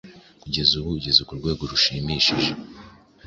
kugeza ubu ugeze ku rwego rushimishije.